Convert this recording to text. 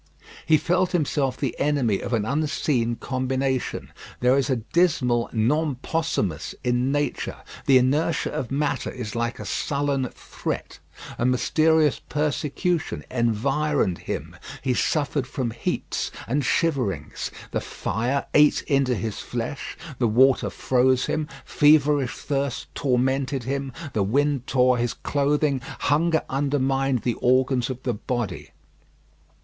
He felt himself the enemy of an unseen combination. There is a dismal non possumus in nature. The inertia of matter is like a sullen threat. A mysterious persecution environed him. He suffered from heats and shiverings. The fire ate into his flesh; the water froze him; feverish thirst tormented him; the wind tore his clothing; hunger undermined the organs of the body.